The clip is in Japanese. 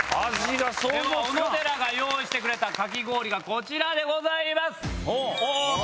小野寺が用意してくれたかき氷がこちらでございます。